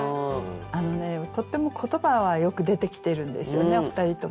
あのねとっても言葉はよく出てきてるんですよねお二人とも。